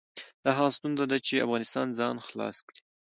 دا هغه ستونزه ده چې افغانستان ځان خلاص کړي.